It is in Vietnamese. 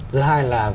giờ hai là